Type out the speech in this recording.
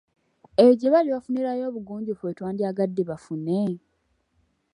Eyo gye bali bafunirayo obugunjufu bwe twandyagadde bafune?